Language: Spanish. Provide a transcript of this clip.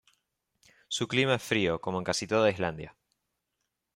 Su clima es frío como en casi toda Islandia.